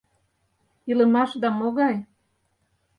Илымашда могай?